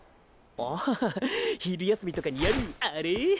あ昼休みとかにやるアレ？